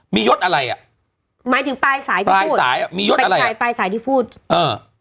มียศอะไรอ่ะหมายถึงปลายสายที่ปลายสายอ่ะมียศปลายสายปลายสายที่พูดเออ